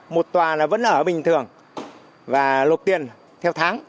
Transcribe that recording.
một tòa vẫn ở bình thường và lột tiền theo tháng